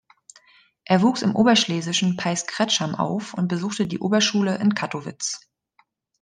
Er wuchs im oberschlesischen Peiskretscham auf und besuchte die Oberschule in Kattowitz.